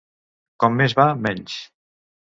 Com més va, menys.